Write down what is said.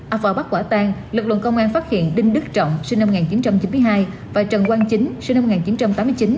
à vào bắt quả tang lực lượng công an phát hiện đinh đức trọng sinh năm một nghìn chín trăm chín mươi hai và trần quang chính sinh năm một nghìn chín trăm tám mươi chín